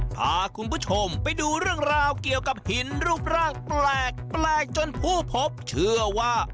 พาคุณผู้ชมไปดูเรื่องราวเกี่ยวกับหินรูปร่างแปลกแปลกจนผู้พบเชื่อว่า